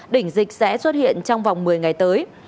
đỉnh dịch sẽ xuất hiện trong vòng một mươi ngày tới